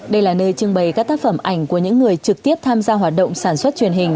đây là nơi trưng bày các tác phẩm ảnh của những người trực tiếp tham gia hoạt động sản xuất truyền hình